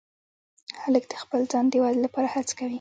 هلک د خپل ځان د ودې لپاره هڅه کوي.